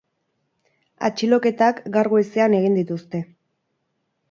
Atxiloketak gaur goizean egin dituzte.